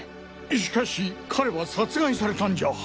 しかし彼は殺害されたんじゃ？